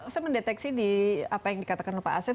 saya mendeteksi di apa yang dikatakan pak asef